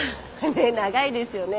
ねっ長いですよね。